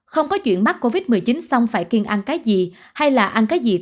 không có chuyện mắc covid một mươi chín xong phải kiêng ăn cái gì